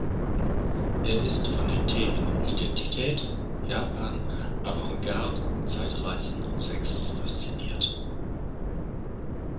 Er ist von den Themen Identität, Japan, Avant-Garde, Zeitreisen und Sex fasziniert.